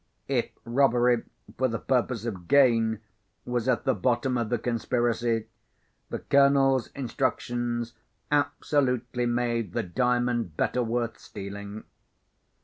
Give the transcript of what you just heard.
If robbery for the purpose of gain was at the bottom of the conspiracy, the Colonel's instructions absolutely made the Diamond better worth stealing.